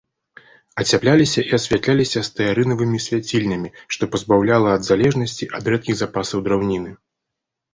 Ацяпляліся і асвятляліся стэарынавымі свяцільнямі, што пазбаўляла ад залежнасці ад рэдкіх запасаў драўніны.